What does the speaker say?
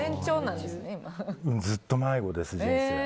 ずっと迷子です、人生。